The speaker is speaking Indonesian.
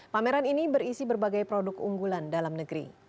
pameran ini berisi berbagai produk unggulan dalam negeri